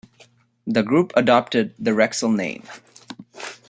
The group adopted the Rexel name.